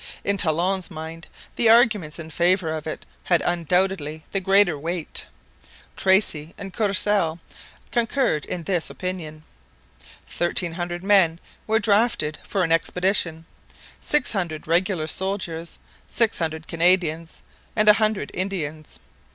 In Talon's mind the arguments in favour of it had undoubtedly the greater weight. Tracy and Courcelle concurred in this opinion. Thirteen hundred men were drafted for an expedition six hundred regular soldiers, six hundred Canadians, and a hundred Indians.